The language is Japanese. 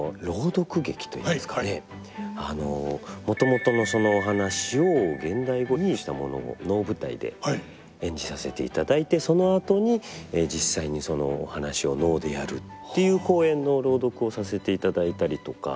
もともとのそのお話を現代語にしたものを能舞台で演じさせていただいてそのあとに実際にそのお話を能でやるっていう公演の朗読をさせていただいたりとか。